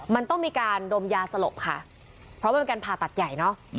มันต้องมีการดมยาสลบค่ะเพราะมันเป็นการผ่าตัดใหญ่เนอะ